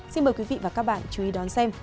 xin mời quý vị và các bạn chú ý đón xem